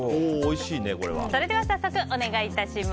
それでは早速お願いいたします。